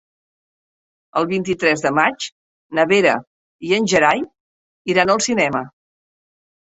El vint-i-tres de maig na Vera i en Gerai iran al cinema.